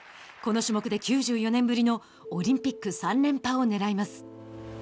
この種目で９４年ぶりのオリンピック３連覇を狙います。